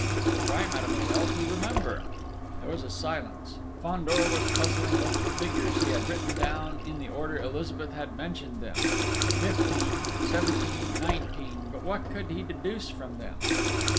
"Try, mademoiselle, to remember...." There was a silence. Fandor was puzzling over the figures he had written down in the order Elizabeth had mentioned them fifteen seventeen nineteen but what could he deduce from them?...